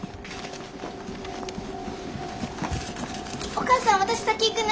お母さん私先行くね。